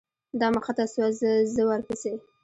دا مخته سوه زه ورپسې.